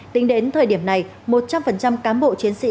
tính đến thời điểm này một trăm linh cán bộ chiến sĩ